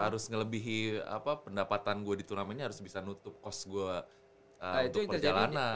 harus ngelebihi pendapatan gue di turnamen ini harus bisa nutup cost gue untuk perjalanan